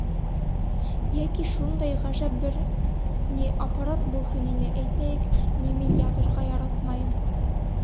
— Йәки шундай ғәжәп шәп бер, ни, аппарат булһын ине: әйтәйек, ни, мин яҙырға яратмайым.